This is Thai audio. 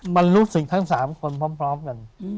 มันรู้สึกทั้ง๓คนพร้อมกัน